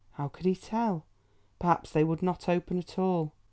How could he tell? Perhaps they would not open at all.